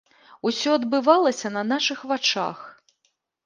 Усё адбывалася на нашых вачах.